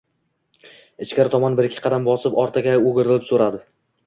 Ichkari tomon bir-ikki qadam bosib, ortiga o`girilib so`radi